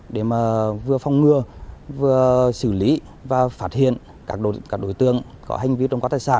để vừa phong ngừa vừa xử lý và phát hiện các đối tượng có hành vi trồng cấp tài sản